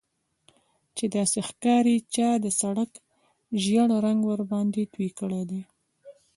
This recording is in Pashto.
چې داسې ښکاري چا د سړک ژیړ رنګ ورباندې توی کړی دی